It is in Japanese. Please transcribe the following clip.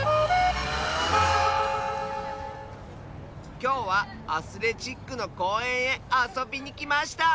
きょうはアスレチックのこうえんへあそびにきました！